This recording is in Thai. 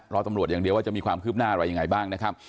รอตำรวจอย่างเดียวว่าจะมีความคืบหน้าอะไรยังไงบ้างนะครับ